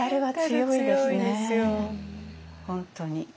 本当に。